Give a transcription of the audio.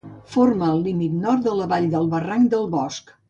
Forma el límit nord de la vall del barranc del Bosc.